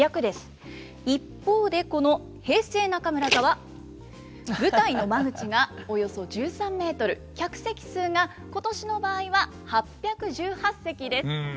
一方でこの平成中村座は舞台の間口がおよそ１３ｍ客席数が今年の場合は８１８席です。